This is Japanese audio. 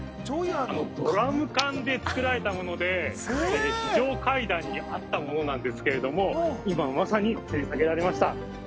ドラム缶で作られたもので非常階段にあったものなんですが今、まさにつり下げられました。